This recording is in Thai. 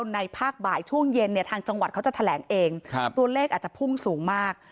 ในภาคบ่ายช่วงเย็นเนี่ยทางจังหวัดเขาจะแถลงเองตัวเลขอาจจะพุ่งสูงมาก